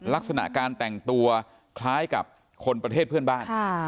ลักษณะการแต่งตัวคล้ายกับคนประเทศเพื่อนบ้าน